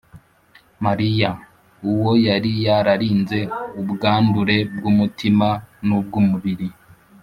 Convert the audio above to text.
mariya, uwo yari yararinze ubwandure bw’umutima n’ubw’umubiri,